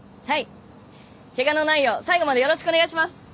はいケガのないよう最後までよろしくお願いします。